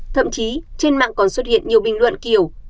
thậm chí trên mạng còn xuất hiện nhiều bình luận kiểu